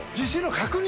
確認？